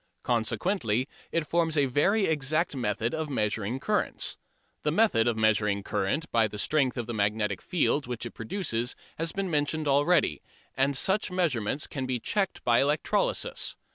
Consequently it forms a very exact method of measuring currents. The method of measuring current by the strength of the magnetic field which it produces has been mentioned already, and such measurements can be checked by electrolysis.